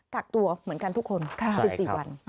กากตัวเหมือนกันทุกคนขึ้นสิวัน